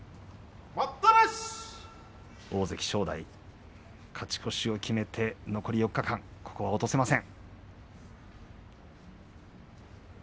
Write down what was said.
大関正代、勝ち越しを決めて残り４日間ここは落とせません。